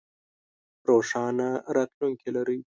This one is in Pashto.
روښانه راتلوونکې لرئ